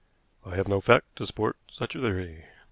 "I have no fact to support such a theory."